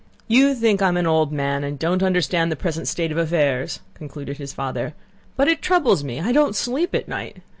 "You think I'm an old man and don't understand the present state of affairs?" concluded his father. "But it troubles me. I don't sleep at night.